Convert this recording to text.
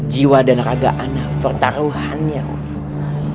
jiwa dan raga ana pertaruhannya umi